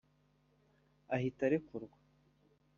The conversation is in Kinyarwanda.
ahita arekurwa